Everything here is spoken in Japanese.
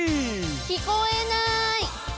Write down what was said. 聞こえない！